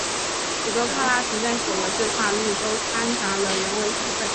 许多柏拉图撰写的对话录都参杂了人为成分。